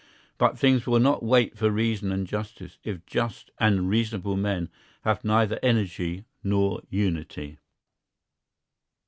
But things will not wait for reason and justice, if just and reasonable men have neither energy nor unity.